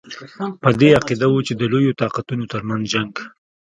په دې عقیده وو چې د لویو طاقتونو ترمنځ جنګ.